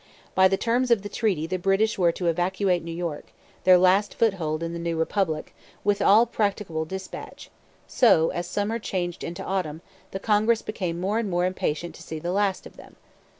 By the terms of the treaty the British were to evacuate New York, their last foothold in the new republic, with all practicable dispatch; so, as summer changed into autumn, the Congress became more and more impatient to see the last of them.